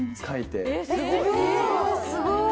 えすごい！